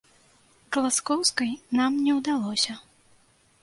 Класкоўскай нам не ўдалося.